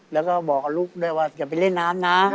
แล้วก็บอกกับลูกด้วยว่าอย่าไปเล่นน้ำนะ